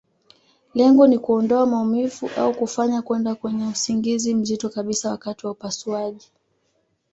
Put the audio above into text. Lengo ni kuondoa maumivu, au kufanya kwenda kwenye usingizi mzito kabisa wakati wa upasuaji.